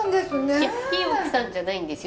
いやいい奥さんじゃないんですよ！